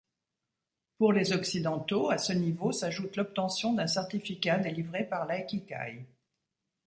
Pour les occidentaux, à ce niveau s'ajoute l'obtention d'un certificat délivré par l'Aikikai.